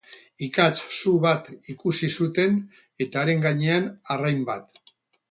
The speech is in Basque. Ikatz su bat ikusi zuten eta haren gainean arrain bat.